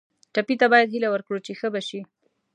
ټپي ته باید هیله ورکړو چې ښه به شي.